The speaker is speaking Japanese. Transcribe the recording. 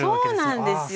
そうなんですよ。